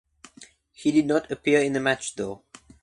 He did not appear in the match though.